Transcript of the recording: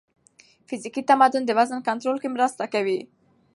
فزیکي تمرین د وزن کنټرول کې مرسته کوي.